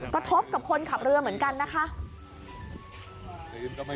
กระทบกับคนขับเรือเหมือนกันนะคะ